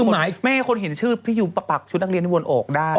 ไม่ให้คนเห็นชื่อพี่ยูปะปักชุดนักเรียนที่บนโอกได้